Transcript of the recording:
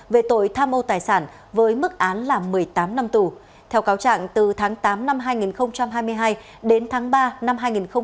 về tội tham ô tài sản với mức án là một mươi tám năm tù theo cáo trạng từ tháng tám năm hai nghìn hai mươi hai đến tháng ba năm hai nghìn hai mươi ba